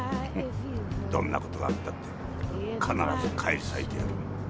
どんなことがあったって必ず返り咲いてやる。